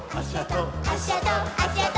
「あしあと！